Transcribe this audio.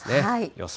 予想